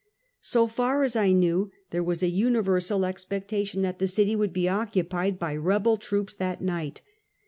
So far as I know, there was a universal expectation that the city would be occupied by rebel troops that night.